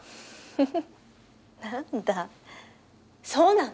フフッなんだそうなの？